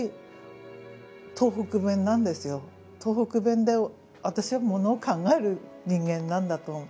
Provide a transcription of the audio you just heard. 東北弁で私はものを考える人間なんだと思う。